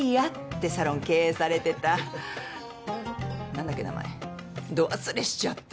何だっけ名前ど忘れしちゃった。